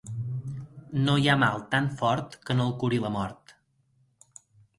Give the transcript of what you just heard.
No hi ha mal tan fort que no el curi la mort.